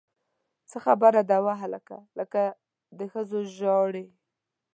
څه خبره ده وهلکه! لکه د ښځو ژاړې!